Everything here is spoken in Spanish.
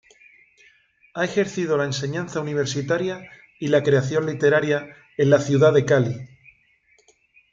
Ha ejercido la enseñanza universitaria y la creación literaria en la ciudad de Cali.